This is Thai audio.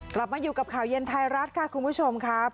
กลับมาอยู่กับข่าวเย็นไทยรัฐค่ะคุณผู้ชมครับ